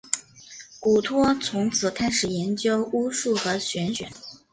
古托从此开始研究巫术和玄学。